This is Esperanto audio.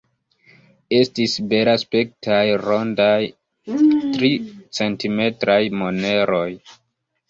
Estis belaspektaj rondaj, tricentimetraj moneroj.